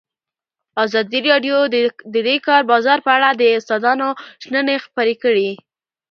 ازادي راډیو د د کار بازار په اړه د استادانو شننې خپرې کړي.